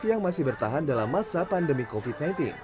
yang masih bertahan dalam masa pandemi covid sembilan belas